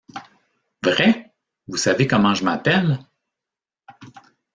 Vrai? vous saviez comment je m’appelle ?